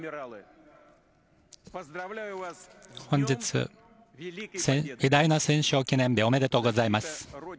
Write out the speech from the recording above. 本日、偉大な戦勝記念日おめでとうございます。